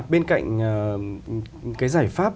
bên cạnh cái giải pháp